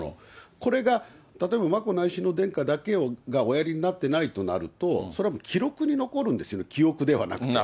これが例えば眞子内親王殿下だけがおやりになってないとなると、それはもう記録に残るんですよね、記憶ではなくて。